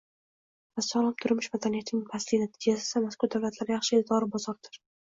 va sog‘lom turmush madaniyatining pastligi natijasida mazkur davlatlar yaxshigina «dori bozori»dir.